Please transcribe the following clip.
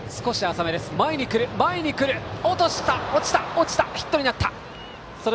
落ちた、ヒットになった。